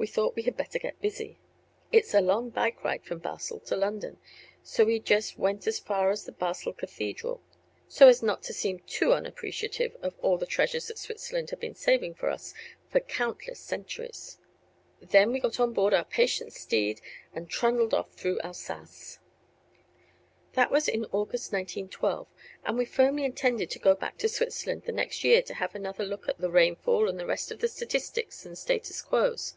We thought we had better get busy. It's a long bike ride from Basel to London. So we just went as far as the Basel Cathedral, so as not to seem too unappreciative of all the treasures that Switzerland had been saving for us for countless centuries; then we got on board our patient steed and trundled off through Alsace. That was in August, 1912, and we firmly intended to go back to Switzerland the next year to have another look at, the rainfall and the rest of the statistics and status quos.